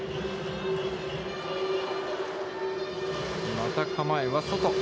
また構えは外。